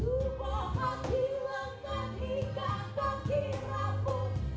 kupoh hati lengan hingga kaki rambut